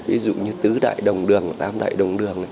ví dụ như tứ đại đồng đường tám đại đồng đường